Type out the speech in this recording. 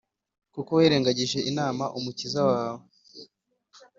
kuko wirengagije Imana, Umukiza wawe,